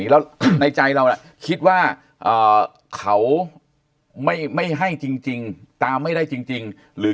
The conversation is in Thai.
แล้วในใจเราคิดว่าเขาไม่ให้จริงตามไม่ได้จริงหรือ